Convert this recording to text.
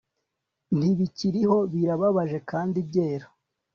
Ntibikiriho birababaje kandi byera